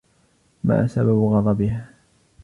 ما سبب غضبها؟